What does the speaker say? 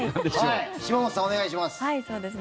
島本さん、お願いします。